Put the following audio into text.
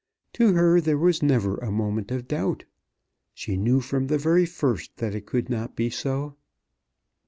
To her there was never a moment of doubt. She knew from the very first that it could not be so."